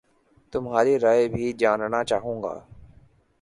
تمہاری رائے بھی جاننا چاہوں گا